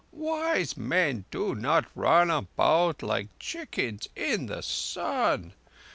Wise men do not run about like chickens in the sun.